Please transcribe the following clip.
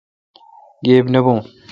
گیبی نہ بون۔